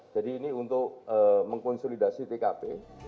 jadi ini untuk mengkonsolidasi tkp